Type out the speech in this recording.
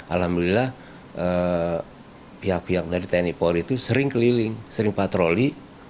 alhamdulillah pihak pihak dari tni polri itu sering keliling sering patroli